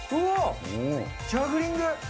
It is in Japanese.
ジャグリング。